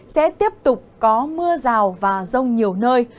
sẽ tiếp tục có mưa rào và rông nhiều nơi